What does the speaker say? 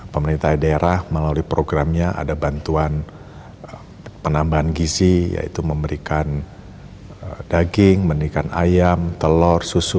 pemerintah daerah melalui programnya ada bantuan penambahan gizi yaitu memberikan daging memberikan ayam telur susu